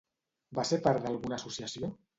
Va ser part d'alguna associació?